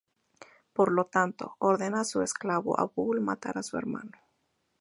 Por lo tanto, ordena a su esclavo Abul matar a su hermano.